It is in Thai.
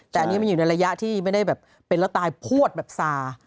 แต่อันนี้มันอยู่ในระยะที่ไม่ได้แบบเป็นแล้วตายพวดแบบสา